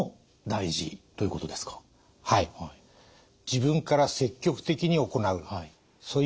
自分から積極的に行う。